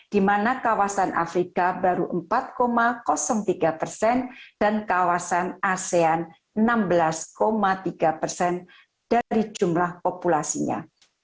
di mana kawasan afrika baru empat tiga persen dan kawasan asean enam belas tiga persen dari jumlah populasinya